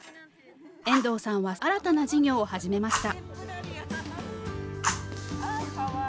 遠藤さんは新たな事業を始めました。